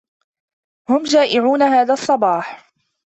هُم جائعون هذا الصباح.